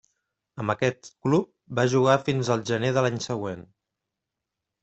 Amb aquest club va jugar fins al gener de l'any següent.